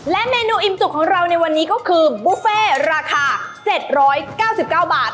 เมนูอิ่มจุกของเราในวันนี้ก็คือบุฟเฟ่ราคา๗๙๙บาท